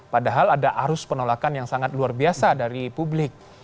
padahal ada arus penolakan yang sangat luar biasa dari publik